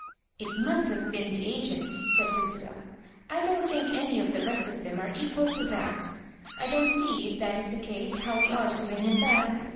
"It must have been the agent," said LucSk. " I don't think any of the rest of them«are equal to that I don't see, if that is the casey bow we are to win him back.